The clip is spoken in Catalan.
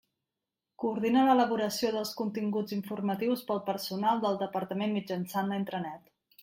Coordina l'elaboració dels continguts informatius per al personal del Departament mitjançant la intranet.